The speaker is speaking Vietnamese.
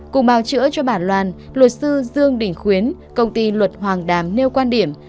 cùng bảo chữa cho bản loan luật sư dương đình khuyến công ty luật hoàng đàm nêu quan điểm